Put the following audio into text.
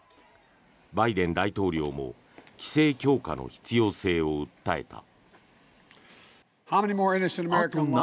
バイデン大統領も規制強化の必要性を訴えた。